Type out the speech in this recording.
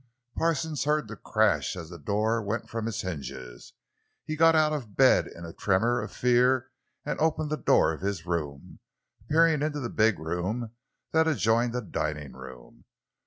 Parsons heard the crash as the door went from its hinges. He got out of bed in a tremor of fear and opened the door of his room, peering into the big room that adjoined the dining room.